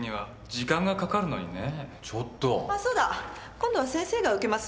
今度は先生が受けます？